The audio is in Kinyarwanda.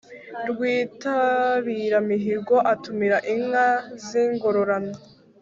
rwitabiramihigo atumira inka z'ingororano